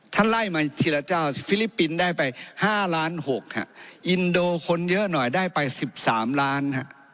ท่านไล่มาทีละเจ้าฟิลิปปินได้ไป๕๖๐๐๐๐๐โดสอินโดคนเยอะหน่อยได้ไป๑๓๐๐๐๐๐๐โดส